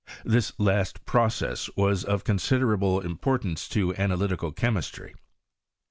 This last process was of considerable importance to analytical chemistry.